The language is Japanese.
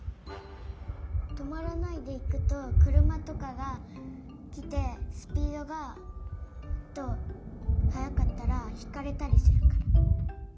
とまらないでいくとくるまとかがきてスピードがえっとはやかったらひかれたりするから。